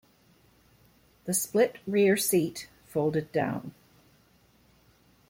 The split rear-seat folded down.